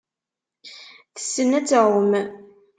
Tessen ad tεumm.